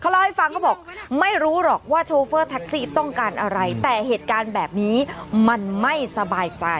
ฮฮก็บอกไม่รู้หรอกว่าชฟอร์ตั๊กซี่ต้องการอะไรแต่เหตุการณ์แบบนี้มันไม่สบายใจ